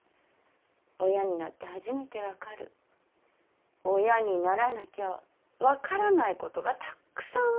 親になって初めて分かる親にならなきゃ分からないことがたくさんあるのに。